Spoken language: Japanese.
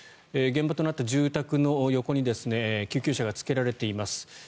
現場となった住宅の横に救急車がつけられています。